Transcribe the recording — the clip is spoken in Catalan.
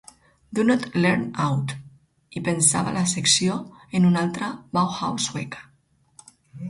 Do Not Lean Out" i pensava la secció en una altra "Bauhaus" sueca.